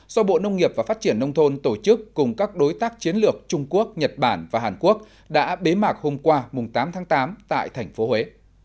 do bộ nông nghiệp và phát triển nông thôn tổ chức cùng các đối tác chiến lược trung quốc nhật bản và hàn quốc đã bế mạc hôm qua tám tháng tám tại thành phố huế